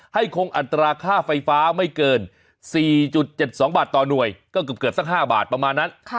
คงอัตราค่าไฟฟ้าไม่เกิน๔๗๒บาทต่อหน่วยก็เกือบสัก๕บาทประมาณนั้น